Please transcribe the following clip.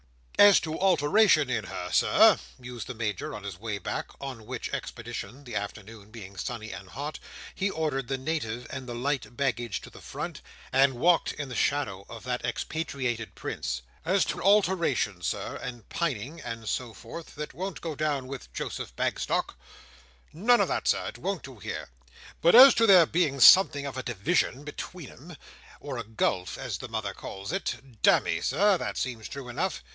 "As to alteration in her, Sir," mused the Major on his way back; on which expedition—the afternoon being sunny and hot—he ordered the Native and the light baggage to the front, and walked in the shadow of that expatriated prince: "as to alteration, Sir, and pining, and so forth, that won't go down with Joseph Bagstock, None of that, Sir. It won't do here. But as to there being something of a division between 'em—or a gulf as the mother calls it—damme, Sir, that seems true enough.